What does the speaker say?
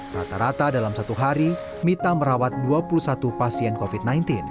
rata rata dalam satu hari mita merawat dua puluh satu pasien covid sembilan belas